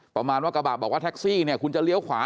ประมาณว่ากระบะบอกว่าแท็กซี่เนี่ยคุณจะเลี้ยวขวา